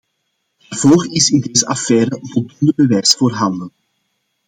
Daarvoor is in deze affaire voldoende bewijs voorhanden.